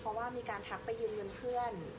เพราะว่ามีการทักไปยืมเงินเพื่อน